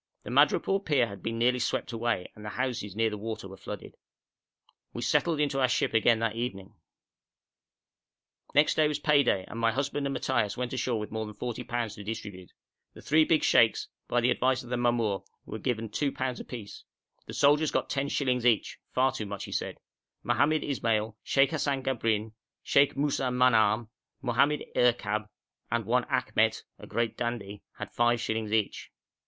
The madrepore pier had been nearly swept away, and the houses near the water were flooded. We settled into our ship again that evening. Next day was pay day, and my husband and Matthaios went ashore with more than 40_l_. to distribute. The three big sheikhs, by the advice of the mamour, were given 2_l_. apiece; the soldiers got ten shillings each far too much, he said; Mohammed Ismail, Sheikh Hassan Gabrin, Sheikh Moussa Manahm, Mohammed Erkab, and one Akhmet, a great dandy, had five shillings each.